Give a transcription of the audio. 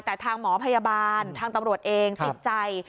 แต่ทางหมอพยาบาลทางตำรวจเองติดใจ